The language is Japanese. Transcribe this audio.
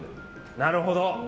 なるほど。